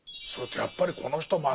それとやっぱりこの人